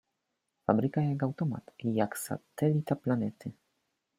Fabryka jak automat, jak satelita planety.